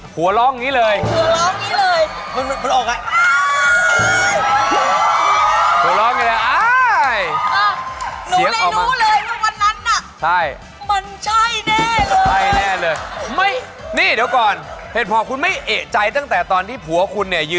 หัวรองนี้เลย